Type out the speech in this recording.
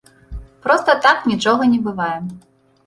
Проста так нічога не бывае.